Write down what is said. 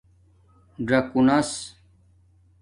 ژکانس